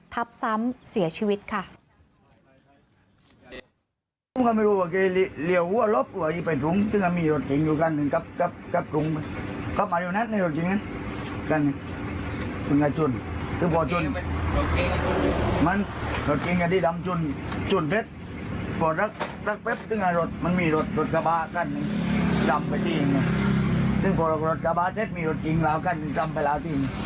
ทับซ้ำเสียชีวิตค่ะ